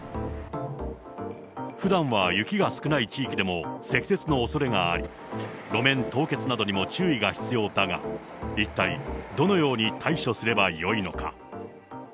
ふだんは雪が少ない地域でも、積雪のおそれがあり、路面凍結などにも注意が必要だが、一体どのように対処すればよいのか。